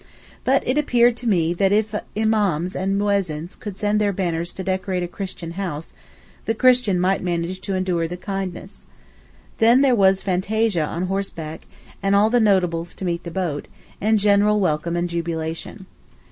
But it appeared to me that if Imaams and Muezzins could send their banners to decorate a Christian house, the Christian might manage to endure the kindness. Then there was fantasia on horseback, and all the notables to meet the boat, and general welcome and jubilation.